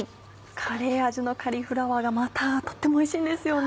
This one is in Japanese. カレー味のカリフラワーがまたとてもおいしいんですよね。